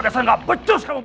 desain gak becus kamu